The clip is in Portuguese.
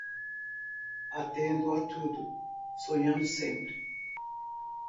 Atendo a tudo sonhando sempre